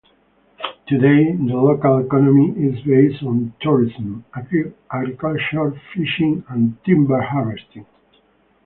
Today the local economy is based on tourism, agriculture, fishing and timber harvesting.